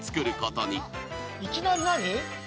いきなり何？